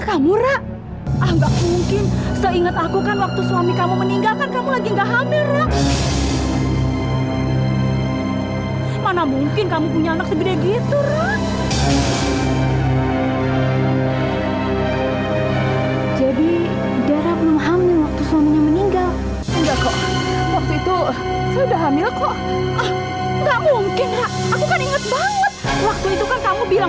sampai jumpa di video selanjutnya